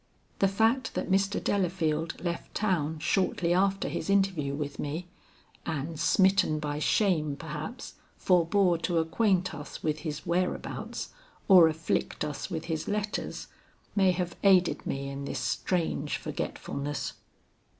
The fact that Mr. Delafield left town shortly after his interview with me, and smitten by shame perhaps, forbore to acquaint us with his whereabouts or afflict us with his letters, may have aided me in this strange forgetfulness.